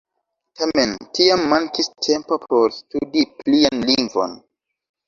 Tamen tiam mankis tempo por studi plian lingvon.